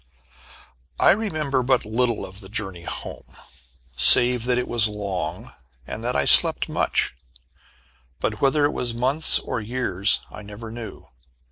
I remember but little of the journey home, save that it was long, and that I slept much. But whether it was months or years I never knew.